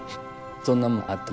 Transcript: そんなものがあったり。